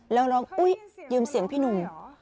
แล้วร้องอุ๊ยยืมเสียงพี่หนุ่ม